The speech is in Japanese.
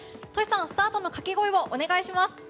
Ｔｏｓｈｌさんスタートのかけ声をお願いします。